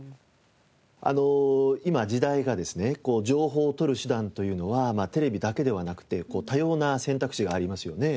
あの今時代がですね情報を取る手段というのはテレビだけではなくて多様な選択肢がありますよね。